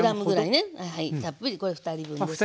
たっぷりこれ２人分ですけど。